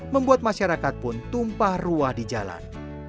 membuat masyarakat pun tumpah ruah di jalan